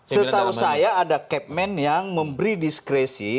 setahu saya ada capman yang memberi diskresi